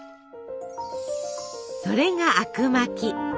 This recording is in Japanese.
それがあくまき。